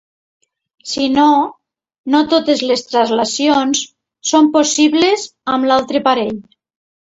Si no, no totes les translacions són possibles amb l'altre parell.